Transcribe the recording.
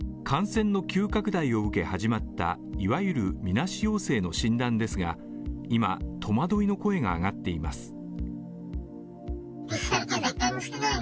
感染の急拡大を受け始まったいわゆる、みなし陽性の診断ですが今、戸惑いの声が上がっています。